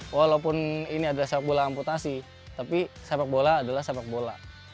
walaupun ini adalah sepak bola amputasi tapi sepak bola adalah sepak bola